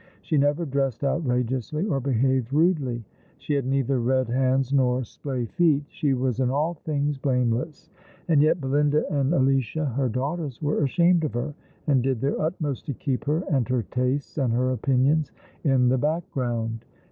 She never dressed outrageously, or behaved rudely. She had neither red hands nor splay feet. She was in all things blameless ; and yet Belinda and Alicia, her daughters, were ashamed of her, and did their utmost to keep her, and her tastes, and her opinions in the background.